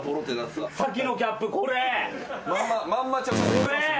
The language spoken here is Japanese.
先のキャップこれこれ！